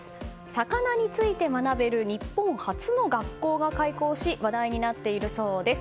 魚について学べる日本初の学校が開校し話題になっているそうです。